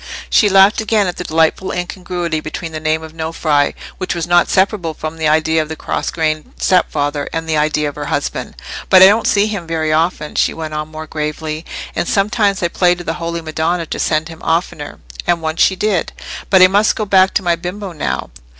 She laughed again at the delightful incongruity between the name of Nofri—which was not separable from the idea of the cross grained stepfather—and the idea of her husband. "But I don't see him very often," she went on, more gravely. "And sometimes I pray to the Holy Madonna to send him oftener, and once she did. But I must go back to my bimbo now.